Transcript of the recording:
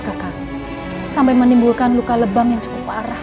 hai sampai menimbulkan luka lebam yang cukup parah